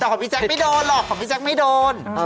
แต่ของพี่แจ๊คไม่โดนหรอกของพี่แจ๊คไม่โดน